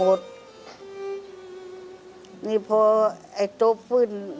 พอกรีะตับฟื้นได้